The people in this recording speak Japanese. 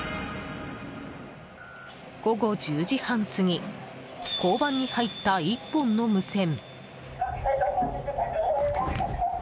午後１０時半過ぎ交番に入った１本の無線。